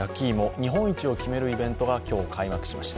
日本一を決めるイベントが今日開幕しました。